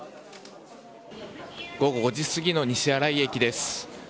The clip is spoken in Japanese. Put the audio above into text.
午後５時過ぎの西新井駅です。